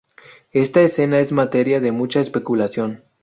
Esta escena es materia de mucha especulación.